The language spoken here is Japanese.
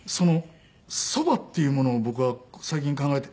そばっていうものを僕は最近考えて。